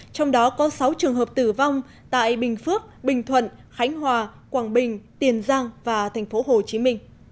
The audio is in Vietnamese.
trong đó có sáu trường hợp tử vong tại bình phước bình thuận khánh hòa quảng bình tiền giang và tp hcm